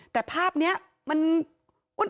แต่ภาพนี้มัน